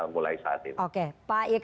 mulai saat ini